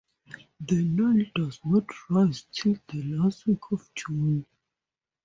The Nile does not rise till the last week of June.